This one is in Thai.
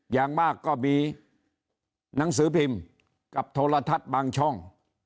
อย่างมากก็มีหนังสือพิมพ์กับโทรทัศน์บางช่อง